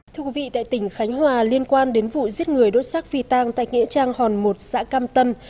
thưa quý vị tại tỉnh khánh hòa liên quan đến vụ giết người đốt xác phi tang tại nghĩa trang hòn một xã cam tân